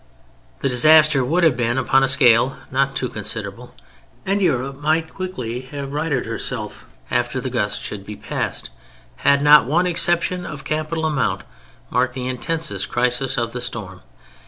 The disaster would have been upon a scale not too considerable, and Europe might quickly have righted herself after the gust should be passed, had not one exception of capital amount marked the intensest crisis of the storm.